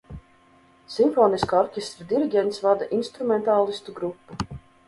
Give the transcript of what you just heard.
Simfoniskā orķestra diriģents vada instrumentālistu grupu.